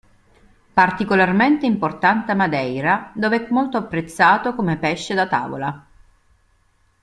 Particolarmente importante a Madeira dove è molto apprezzato come pesce da tavola.